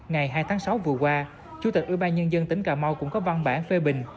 ngày hai tháng sáu vừa qua chủ tịch ủy ban nhân dân tỉnh cà mau cũng có văn bản phê bình